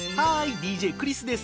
ＤＪクリスです。